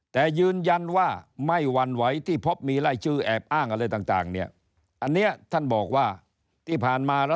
แต่ยืนยันว่า